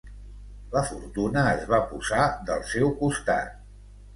La fortuna es va posar del seu costat.